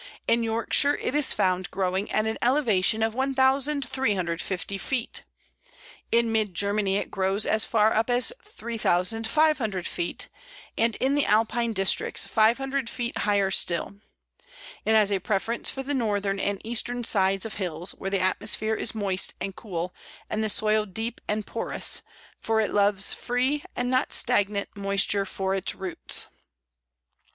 In Yorkshire it is found growing at an elevation of 1350 feet; in Mid Germany it grows as far up as 3500 feet, and in the Alpine districts 500 feet higher still. It has a preference for the northern and eastern sides of hills, where the atmosphere is moist and cool, and the soil deep and porous, for it loves free and not stagnant moisture for its roots.